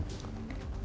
chị em uống